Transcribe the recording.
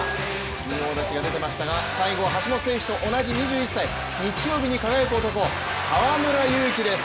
仁王立ちが出ていましたが、最後は橋本選手と同じ２１歳、日曜日に輝く男、河村勇輝です。